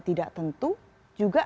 tidak tentu juga